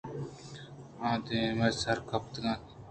آدائمءَسرٛپتگ اَنت